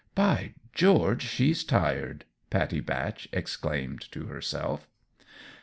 "By George, she's tired!" Pattie Batch exclaimed to herself.